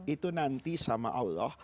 itu nanti sama allah